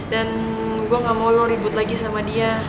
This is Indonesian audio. dan gua gak mau lo ribut lagi sama dia